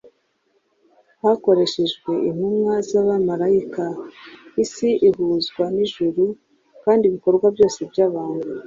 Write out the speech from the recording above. Hakoreshejwe intumwa z’abamalayika, isi ihuzwa n’ijuru kandi ibikorwa byose by’abantu,